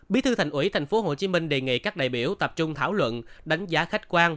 bí thư thành ủy tp hcm đề nghị các đại biểu tập trung thảo luận đánh giá khách quan